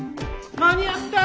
間に合った！